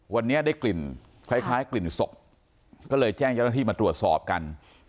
วันนี้ได้กลิ่นคล้ายกลิ่นศพก็เลยแจ้งเจ้าหน้าที่มาตรวจสอบกัน